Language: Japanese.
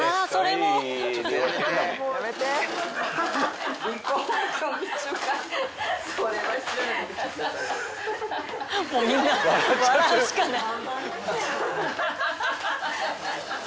もうみんな笑うしかない。